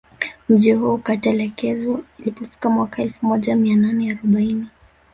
Mji huo ukatelekezwa ilipofika mwaka elfu moja mia nane arobaini